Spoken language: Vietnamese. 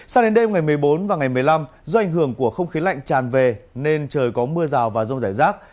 sao đến đêm ngày một mươi bốn và ngày một mươi năm do ảnh hưởng của không khí lạnh tràn về nên trời có mưa rào và rông rải rác